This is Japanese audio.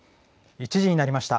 １時になりました。